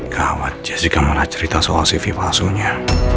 gawat jessica mana cerita soal cv palsunya